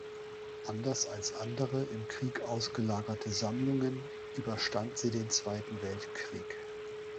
Anders als andere, im Krieg ausgelagerte Sammlungen, überstand sie den Zweiten Weltkrieg.